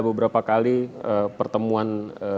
beberapa kali pertemuan